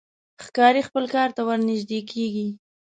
ښکاري خپل ښکار ته ورنژدې کېږي.